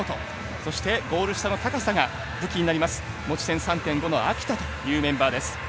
そして、ゴール下の高さが武器になる持ち点３．５の秋田というメンバーです。